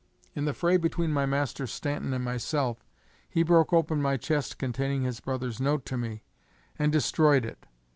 In the fray between my master Stanton and myself, he broke open my chest containing his brother's note to me, and destroyed it.